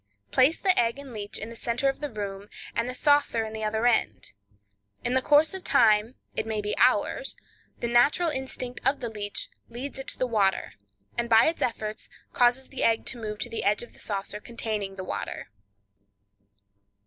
Place the egg and leech in the center of the room, and the saucer in the other end. In the course of time—it may be hours—the natural instinct of the leech leads it to the water, and by its efforts causes the egg to move to the edge of the saucer containing the water.